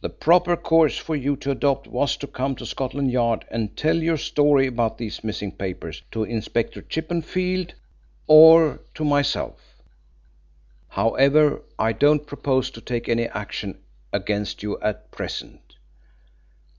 The proper course for you to adopt was to come to Scotland Yard and tell your story about these missing papers to Inspector Chippenfield or myself. However, I don't propose to take any action against you at present.